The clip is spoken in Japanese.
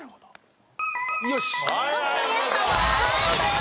星野源さんは３位です。